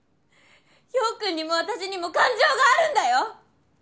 陽君にも私にも感情があるんだよ！？